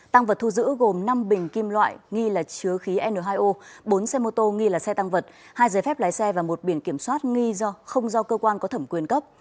tăng vật thu giữ gồm năm bình kim loại nghi là chứa khí n hai o bốn xe mô tô nghi là xe tăng vật hai giấy phép lái xe và một biển kiểm soát nghi do không do cơ quan có thẩm quyền cấp